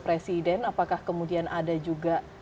presiden apakah kemudian ada juga